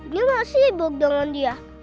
dia sibuk dengan dia